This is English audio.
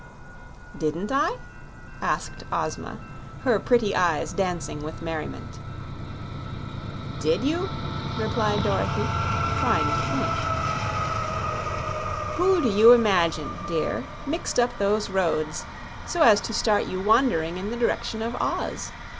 "Didn't I?" asked Ozma, her pretty eyes dancing with merriment. "Did you?" replied Dorothy, trying to think. "Who do you imagine, dear, mixed up those roads, so as to start you wandering in the direction of Oz?"